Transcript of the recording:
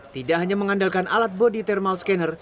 tidak hanya mengandalkan alat bodi thermal scanner